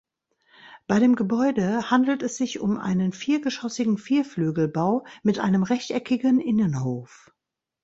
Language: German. Bei dem Gebäude handelt es sich um einen viergeschossigen Vierflügelbau mit einem rechteckigen Innenhof.